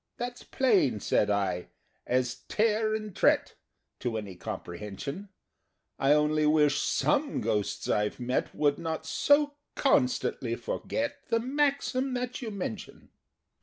"That's plain," said I, "as Tare and Tret, To any comprehension: I only wish some Ghosts I've met Would not so constantly forget The maxim that you mention!"